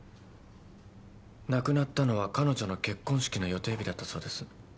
亡くなったのは彼女の結婚式の予定日だったそうです。